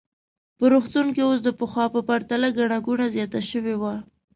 په روغتون کې اوس د پخوا په پرتله ګڼه ګوڼه زیاته شوې وه.